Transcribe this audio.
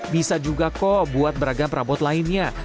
bisa juga kok buat beragam perabot lainnya